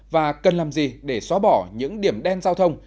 và cần làm gì để xóa bỏ những điểm đen giao thông